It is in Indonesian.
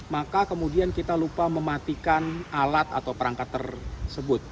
maka kemudian kita lupa mematikan alat atau perangkat tersebut